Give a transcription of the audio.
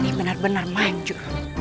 ini benar benar maju